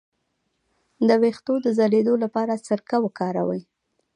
د ویښتو د ځلیدو لپاره سرکه وکاروئ